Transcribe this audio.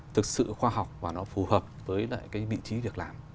thực sự khoa học và nó phù hợp với lại cái vị trí việc làm